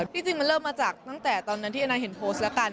จริงมันเริ่มมาจากตั้งแต่ตอนนั้นที่แอน่าเห็นโพสต์แล้วกัน